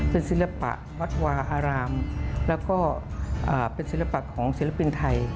เป็นศิลปะวัดวาอารามแล้วก็เป็นศิลปะของศิลปินไทย